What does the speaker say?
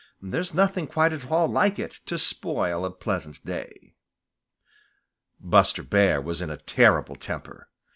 There's nothing quite at all like it To spoil a pleasant day. Buster Bear was in a terrible temper.